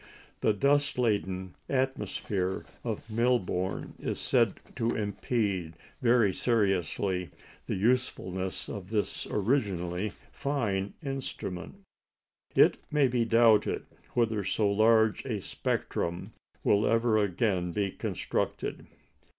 The dust laden atmosphere of Melbourne is said to impede very seriously the usefulness of this originally fine instrument. It may be doubted whether so large a spectrum will ever again be constructed.